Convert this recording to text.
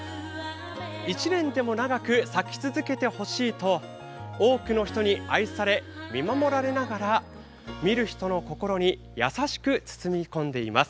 一年でも長く咲き続けてほしいと多くの人に愛され、見守られながら見る人の心に優しく包み込んでいます。